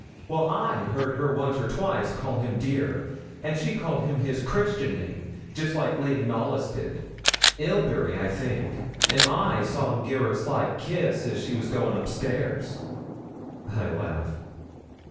'Well, I heard her once or twice call him "dear," and she called him his Christian name, just like Lady Knollys did Ilbury, I think and I saw him gi' her a sly kiss as she was going up stairs.' I laughed.